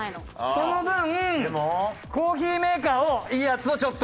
その分コーヒーメーカーをいいやつをちょっと。